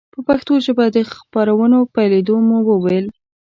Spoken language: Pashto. په پښتو ژبه د خپرونو پیلېدو مو وویل.